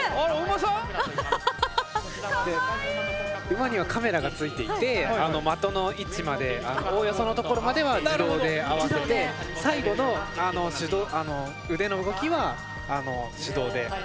馬にはカメラが付いていて的の位置までおおよその所までは自動で合わせて最後の腕の動きは手動で。